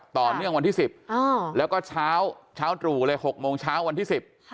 ต่อเนื่องวันที่๑๐แล้วก็เช้าตรู่เลย๖โมงเช้าวันที่๑๐